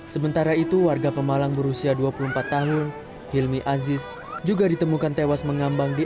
sementara itu warga pemalang berusia dua puluh empat tahun hilmi aziz juga ditemukan tewas mengambang di